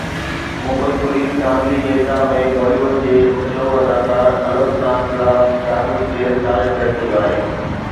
Mumbai police دھاندلي جي الزام ۾ بالي ووڊ جي مشهور اداڪار الوڪ ناٿ خلاف داخل ڪيس خارج ڪري ڇڏيو آهي.